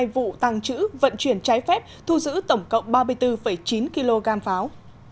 hai vụ tàng trữ vận chuyển trái phép thu giữ tổng cộng ba mươi bốn chín kg pháo